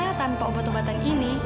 karena tanpa obat obatan ini